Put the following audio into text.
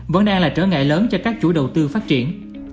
vẫn đang là trở ngại lớn cho các chủ đầu tư phát triển